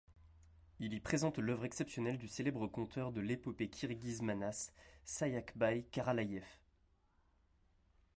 Il y présente l'œuvre exceptionnelle du célèbre conteur de l'épopée kirghize Manas, Sayakbay Karalaïev.